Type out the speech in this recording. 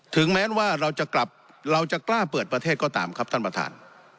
ถึงแม้ว่าเราจะกลับเราจะกล้าเปิดประเทศก็ตามครับท่านประธาน